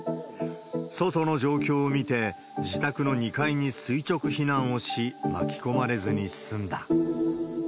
外の状況を見て、自宅の２階に垂直避難をし、巻き込まれずに済んだ。